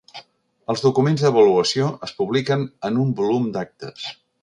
Els documents d'avaluació es publiquen en un volum d'actes.